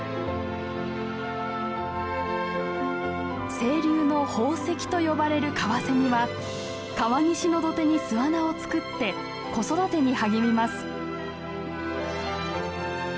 清流の宝石と呼ばれるカワセミは川岸の土手に巣穴を作って子育てに励みます。